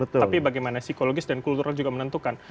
tapi bagaimana psikologis dan kultural juga menentukan